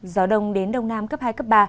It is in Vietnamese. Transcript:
gió đông đến đông nam cấp hai cấp ba